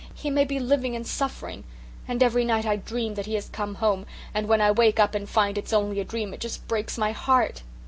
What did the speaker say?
He may be living and suffering, and every night I dream that he has come home and when I wake up and find it's only a dream it just breaks my heart."